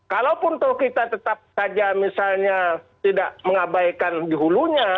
kalaupun kita tetap saja misalnya tidak mengabaikan di hulunya